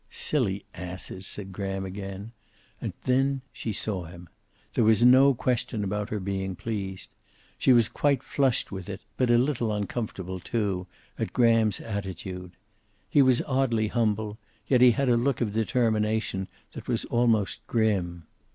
"Silly asses!" said Graham, again, and then she saw him. There was no question about her being pleased. She was quite flushed with it, but a little uncomfortable, too, at Graham's attitude. He was oddly humble, and yet he had a look of determination that was almost grim.